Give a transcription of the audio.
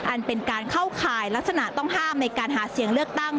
อันเป็นการเข้าข่ายลักษณะต้องห้ามในการหาเสียงเลือกตั้ง